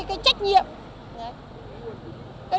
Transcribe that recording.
cái đoạn đường này